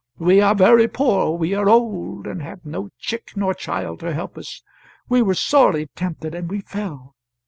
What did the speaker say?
We are very poor, we are old, and, have no chick nor child to help us; we were sorely tempted, and we fell.